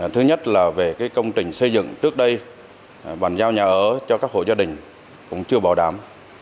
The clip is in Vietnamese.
thứ nhất là về công trình xây dựng trước đây bàn giao nhà ở cho các hộ gia đình cũng chưa bảo đảm